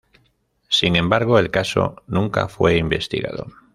Sin embargo, el caso nunca fue investigado.